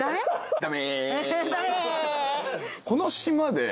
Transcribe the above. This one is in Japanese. ダメ。